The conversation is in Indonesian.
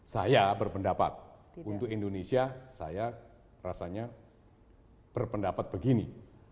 saya berpendapat untuk indonesia saya rasanya berpendapat begini